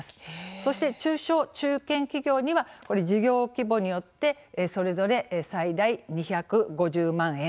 そして、中小・中堅企業には事業規模によってそれぞれ最大２５０万円。